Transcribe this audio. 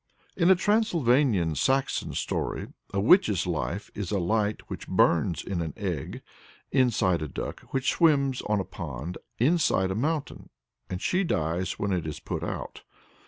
In a Transylvanian Saxon story a Witch's "life" is a light which burns in an egg, inside a duck, which swims on a pond, inside a mountain, and she dies when it is put out.